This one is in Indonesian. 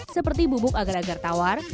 seperti bubuk agar agar tawar